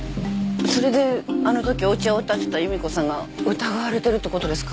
それであのときお茶をたてた夕美子さんが疑われてるってことですか？